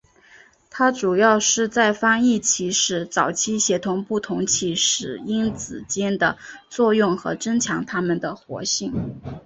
它主要是在翻译起始早期协同不同起始因子间的作用和增强它们的活性。